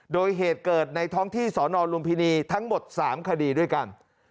โดยเหตุเกิดในท้องที่สนลุมพินีทั้งหมด๓คดีด้วยกัน